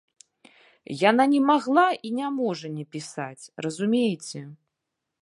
Яна не магла і не можа не пісаць, разумееце.